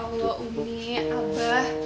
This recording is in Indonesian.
masya allah umi abah